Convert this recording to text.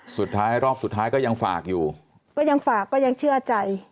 สุดท้ายรอบสุดท้ายก็ยังฝากอยู่ก็ยังฝากก็ยังเชื่อใจ